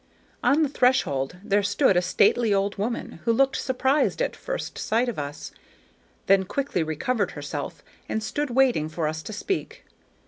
On the threshold there stood a stately old woman who looked surprised at first sight of us, then quickly recovered herself and stood waiting for us to speak.